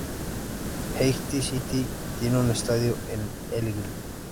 Elgin City tiene un estadio en Elgin